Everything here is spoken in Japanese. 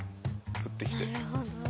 降ってきて。